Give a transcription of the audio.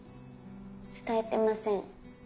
伝えてません。